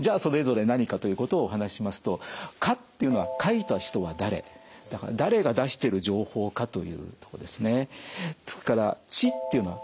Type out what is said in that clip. じゃあそれぞれ何かということをお話ししますとだから誰が出してる情報かというとこですね。